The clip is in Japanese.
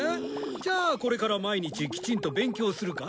じゃあこれから毎日きちんと勉強するか？